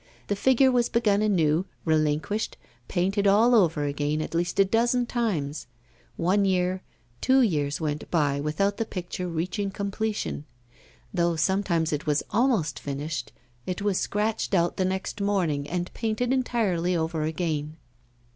The figure was begun anew, relinquished, painted all over again at least a dozen times. One year, two years went by without the picture reaching completion. Though sometimes it was almost finished, it was scratched out the next morning and painted entirely over again.